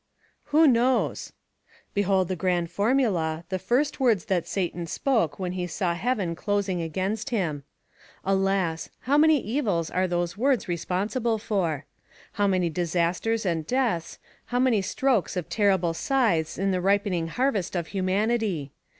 "Who knows?" Behold the grand formula, the first words that Satan spoke when he saw heaven closing against him. Alas! how many evils are those words responsible for! How many disasters and deaths, how many strokes of terrible scythes in the ripening harvest of humanity!